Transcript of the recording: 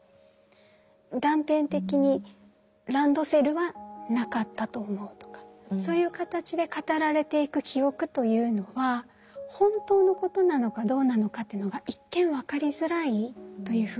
断片的にランドセルはなかったと思うとかそういう形で語られていく記憶というのは本当のことなのかどうなのかというのが一見分かりづらいというふうに言えます。